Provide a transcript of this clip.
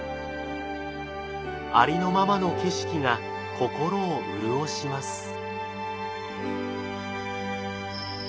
ありのままの景色が心を潤します。